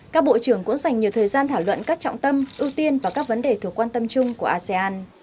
các bộ trưởng cũng dành nhiều thời gian thảo luận các trọng tâm ưu tiên và các vấn đề thuộc quan tâm chung của asean